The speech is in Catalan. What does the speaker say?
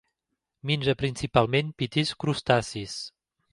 Menja principalment petits crustacis.